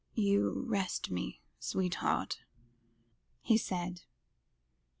"You rest me sweetheart," he said.